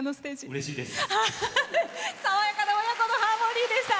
うれしいです。